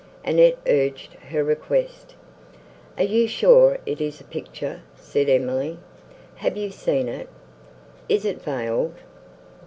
Annette urged her request. "Are you sure it is a picture?" said Emily, "Have you seen it?—Is it veiled?"